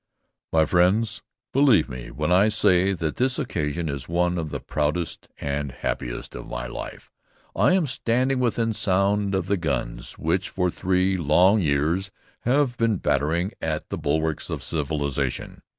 "My friends, believe me when I say that this occasion is one of the proudest and happiest of my life. I am standing within sound of the guns which for three long years have been battering at the bulwarks of civilization.